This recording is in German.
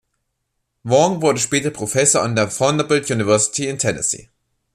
Wang wurde später Professor an der Vanderbilt University in Tennessee.